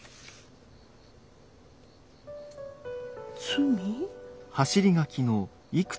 「罪」？